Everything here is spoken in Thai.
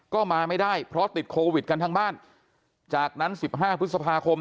ก็มาไม่ได้เพราะติดโควิดกันทั้งบ้านจากนั้นสิบห้าพฤษภาคม